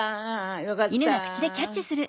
よかった！